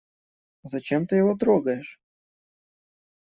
Зачем ты его трогаешь?